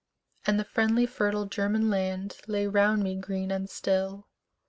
And the friendly fertile German land Lay round me green and still.